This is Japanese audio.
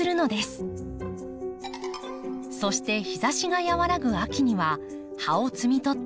そして日ざしが和らぐ秋には葉を摘み取って日に当てます。